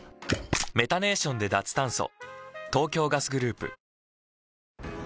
メタネーションで脱炭素。